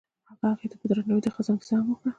هغه هغې ته په درناوي د خزان کیسه هم وکړه.